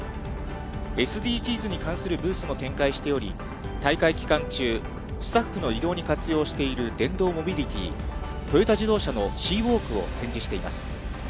ＳＤＧｓに関するブースも展開しており、大会期間中、スタッフの移動に活用している電動モビリティ、トヨタ自動車のＣ＋ｗａｌｋを展示しています。